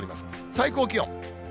最高気温。